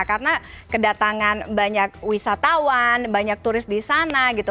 karena kedatangan banyak wisatawan banyak turis di sana gitu